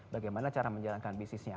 bagaimana cara menjalankan bisnisnya